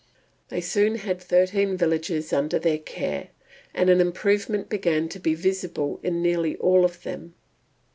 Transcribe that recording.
They soon had thirteen villages under their care, and an improvement began to be visible in nearly all of them.